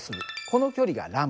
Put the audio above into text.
この距離がλ。